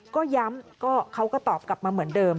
ก็ย้ำเขาก็ตอบกลับมาเหมือนเดิม